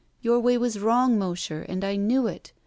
Your way was wrong, Mosher, and I knew it.